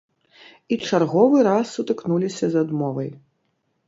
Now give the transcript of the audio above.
І чарговы раз сутыкнуліся з адмовай.